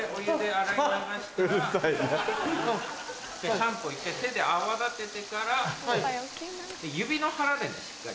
シャンプーを一回手で泡立ててから指の腹でねしっかり。